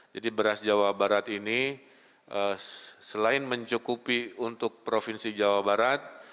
jadi beras jawa barat ini selain mencukupi untuk provinsi jawa barat